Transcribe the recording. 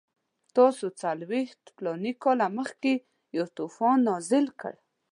تاسو څلوېښت فلاني کاله مخکې یو طوفان نازل کړ.